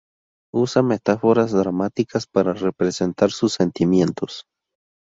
Usa metáforas dramáticas para representar sus sentimientos.